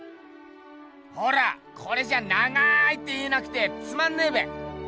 ほらこれじゃあ長いって言えなくてつまんねえべ。